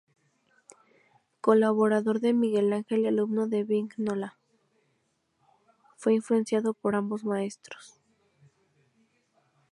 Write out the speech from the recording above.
Colaborador de Miguel Ángel y alumno de Vignola, fue influenciado por ambos maestros.